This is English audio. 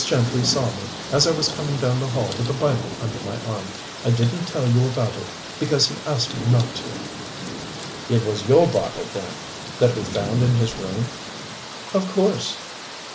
Gentry saw me as I was coming down the hall with the Bible under my arm. I didn't tell you about it because he asked me not to." "It was your Bible, then, that we found in his room?" "Of course."